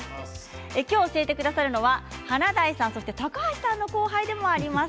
今日教えてくださるのは華大さん、高橋さんの後輩でもあります